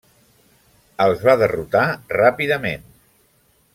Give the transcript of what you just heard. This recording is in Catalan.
Els va derrotar ràpidament.